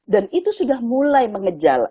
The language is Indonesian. dan itu sudah mulai mengejala